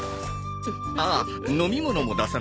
ああ飲み物も出さないでごめん。